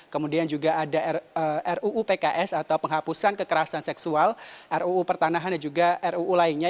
kemudian juga ada ruu pks atau penghapusan kekerasan seksual ruu pertanahan dan juga ruu lainnya